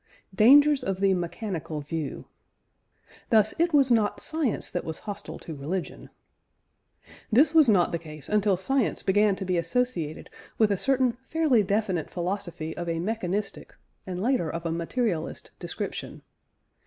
DANGERS OF THE "MECHANICAL VIEW." Thus it was not science that was hostile to religion. This was not the case until science began to be associated with a certain fairly definite philosophy of a mechanistic, and later of a materialist, description.